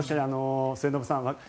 末延さん